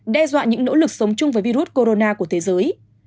đe dọa những nỗ lực sống chung với virus corona của thế giới